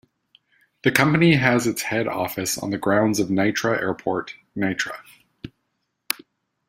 The company has its head office on the grounds of Nitra Airport, Nitra.